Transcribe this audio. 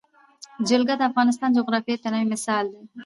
جلګه د افغانستان د جغرافیوي تنوع مثال دی.